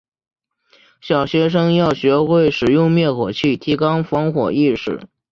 小学生要学会使用灭火器，提高防火意识。